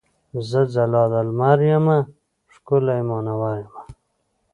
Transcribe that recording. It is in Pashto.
زه ځلا د لمر یمه ښکلی مونور یمه.